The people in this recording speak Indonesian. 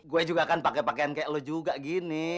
gue juga kan pakai pakaian kayak lo juga gini